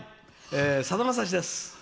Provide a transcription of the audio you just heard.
さだまさしです。